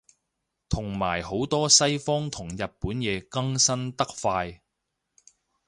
同埋好多西方同日本嘢更新得快